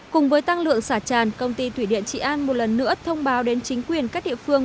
cùng với tăng lượng xả tràn công ty thủy điện trị an một lần nữa thông báo đến chính quyền các địa phương